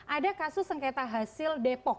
ada kasus sengketa hasil depok